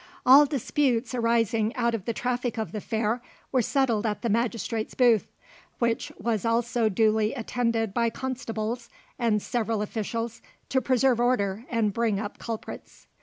All disputes arising out of the traffic of the fair were settled at the magistrates' booth, which was also duly attended by constables and several officials, to preserve order and bring up culprits.